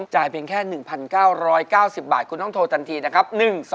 เพียงแค่๑๙๙๐บาทคุณต้องโทรทันทีนะครับ